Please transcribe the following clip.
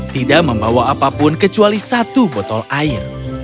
tidak membawa apapun kecuali satu botol air